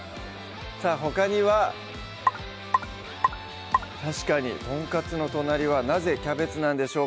さぁほかには確かにトンカツの隣はなぜキャベツなんでしょうか？